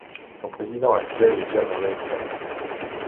Son président actuel est John Raisian.